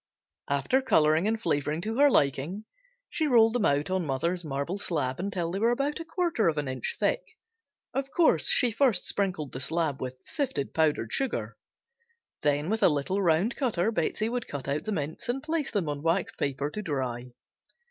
After coloring and flavoring to her liking she rolled them out on mother's marble slab until they were about a quarter of an inch thick of course she first sprinkled the slab with sifted powdered sugar then with a little round cutter Betsey would cut out the mints and place on waxed paper to dry.